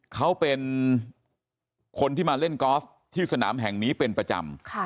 เขาเป็นคนที่มาเล่นกอล์ฟที่สนามแห่งนี้เป็นประจำ